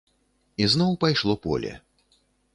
І зноў пайшло поле.